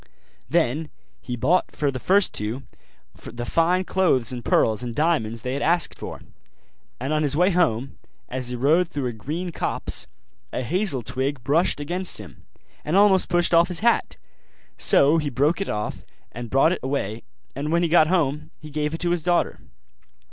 Then he bought for the first two the fine clothes and pearls and diamonds they had asked for: and on his way home, as he rode through a green copse, a hazel twig brushed against him, and almost pushed off his hat: so he broke it off and brought it away; and when he got home he gave it to his daughter.